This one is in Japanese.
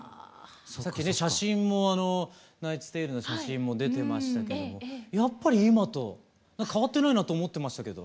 さっきね「ナイツ・テイル」の写真も出てましたけどもやっぱり今と変わってないなと思ってましたけど。